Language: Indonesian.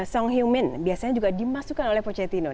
song hyu min biasanya juga dimasukkan oleh pochettino